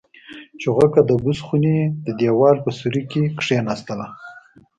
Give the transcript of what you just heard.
چوغکه د بوس خونې د دېوال په سوري کې کېناستله.